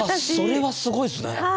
それはすごいですね。